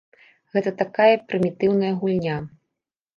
Гэта такая прымітыўная гульня.